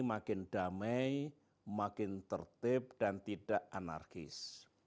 makin damai makin tertib dan tidak anarkis